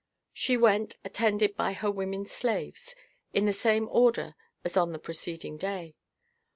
She went, attended by her women slaves, in the same order as on the preceding day.